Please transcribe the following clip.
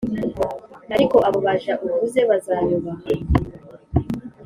ariko abo baja uvuze bazanyubaha.